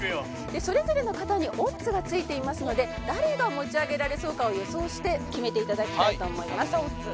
それぞれの方にオッズがついていますので誰が持ち上げられそうかを予想して決めて頂きたいと思います。